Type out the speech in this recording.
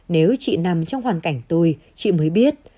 nếu chị nằm trong hoàn cảnh tôi chị mới biết